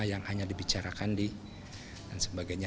yang hanya dibicarakan di dan sebagainya